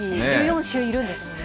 １４種いるんですもんね。